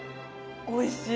おいしい。